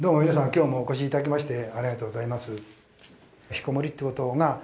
今日もお越しいただきましてありがとうございます。